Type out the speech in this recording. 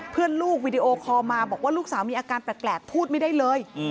ลูกวีดีโอคอลมาบอกว่าลูกสาวมีอาการแปลกพูดไม่ได้เลย